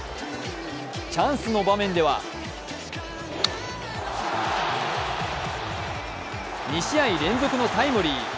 チャンスの場面では２試合連続のタイムリー。